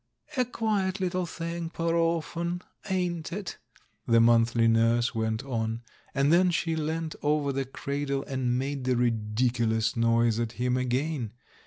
"A quiet little thing, poor orphan, ain't it?" the monthly nurse went on; and then she leant over the cradle and made the ridiculous noise at him again.